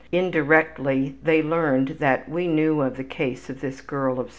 Indirectly they learned that we knew of the case of this ``girl of 16.''